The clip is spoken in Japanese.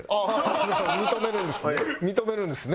認めるんですね。